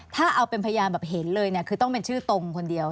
ถ้าเอาเป็นพยานแบบเห็นเลยเนี่ยคือต้องเป็นชื่อตรงคนเดียว